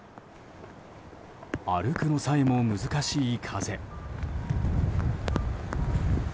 歩くのさえも難しい風。